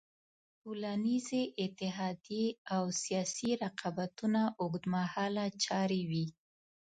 ټولنیزې اتحادیې او سیاسي رقابتونه اوږد مهاله چارې وې.